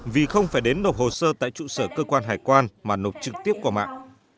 vì không phải đến nộp hồ sơ tại trụ sở cơ quan hải quan mà nộp trực tiếp qua mạng